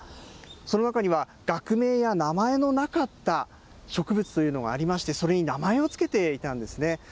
その中には、学名や名前のなかった植物というのがありまして、それに名前を付けていたんですね。